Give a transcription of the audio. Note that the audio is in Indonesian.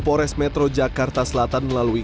pores metro jakarta selatan melalui